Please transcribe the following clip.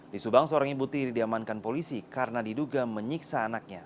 di subang seorang ibu tiri diamankan polisi karena diduga menyiksa anaknya